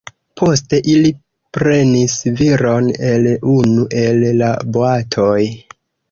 Poste ili prenis viron el unu el la boatoj.